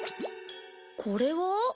これは？